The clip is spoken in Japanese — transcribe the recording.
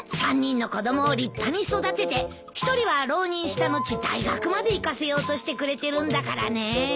３人の子供を立派に育てて１人は浪人した後大学まで行かせようとしてくれてるんだからね。